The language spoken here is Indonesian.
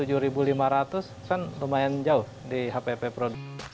jadi kelihatan lumayan jauh di hpp pro